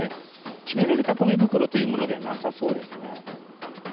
決められたごみ袋というものではなさそうですね。